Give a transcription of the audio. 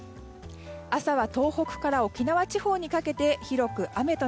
朝は東北から沖縄地方にかけて広く雨。